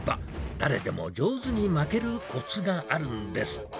誰でも上手に巻けるこつがあるんです。